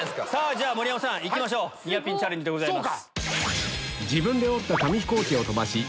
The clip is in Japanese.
じゃ盛山さんいきましょうニアピンチャレンジでございます。